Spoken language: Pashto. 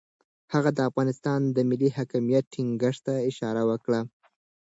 هغه د افغانستان د ملي حاکمیت ټینګښت ته اشاره وکړه.